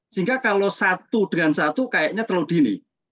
sehingga kalau satu dengan satu kayaknya terlalu dini